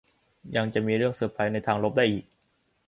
ยังจะมีเรื่องเซอร์ไพรส์ในทางลบได้อีก